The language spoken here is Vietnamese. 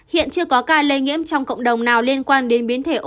hiện chưa có ca lây nhiễm trong cộng đồng nào liên quan đến biến thể omicron